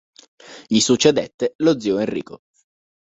Gli succedette lo zio Enrico.